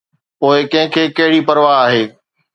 پوءِ ڪنهن کي ڪهڙي پرواهه آهي؟